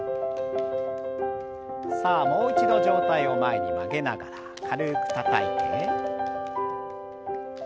さあもう一度上体を前に曲げながら軽くたたいて。